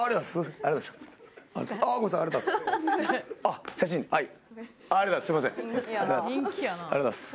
ありがとうございます。